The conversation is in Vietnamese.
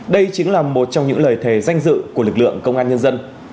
đây chính là một trong những lời thề danh dự của lực lượng công an nhân dân